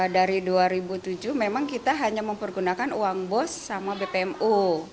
dari dua ribu tujuh memang kita hanya mempergunakan uang bos sama bpmo